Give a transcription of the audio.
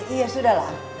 ya sudah lah